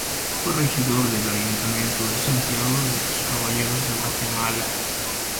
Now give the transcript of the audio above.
Fue regidor del ayuntamiento de Santiago de Los Caballeros de Guatemala.